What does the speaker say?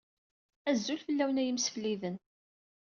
Azul fell-awen, ay imsefliden.